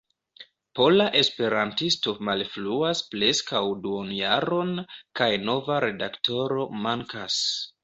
Pola Esperantisto malfruas preskaŭ duonjaron, kaj nova redaktoro mankas.